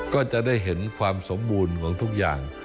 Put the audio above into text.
ก็จะได้เห็นความสมบูรณ์ของทุกอย่าง